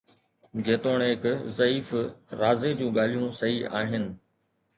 جيتوڻيڪ ضعيف، رازي جون ڳالهيون صحيح آهن